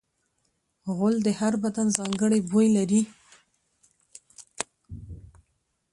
غول د هر بدن ځانګړی بوی لري.